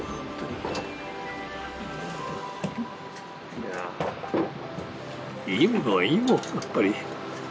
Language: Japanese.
いいものはいいもんやっぱり。